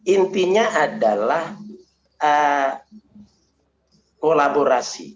intinya adalah kolaborasi